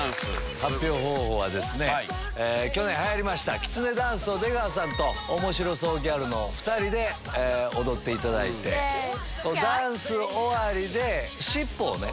発表方法はですね去年流行りましたきつねダンスを出川さんとおもしろ荘ギャルの２人で踊っていただいてダンス終わりでしっぽをね